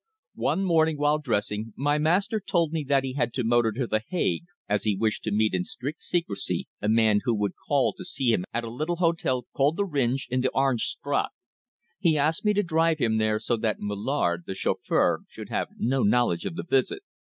"One morning, while dressing, my master told me that he had to motor to The Hague as he wished to meet in strict secrecy a man who would call to see him at a little hotel called the Rhijn, in the Oranje Straat. He asked me to drive him there so that Mullard, the chauffeur, should have no knowledge of the visit.